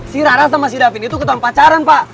si rara sama si davin itu ketam pacaran pak